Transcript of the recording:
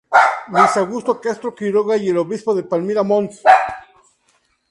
Luis Augusto Castro Quiroga y el Obispo de Palmira Mons.